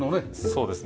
そうですね。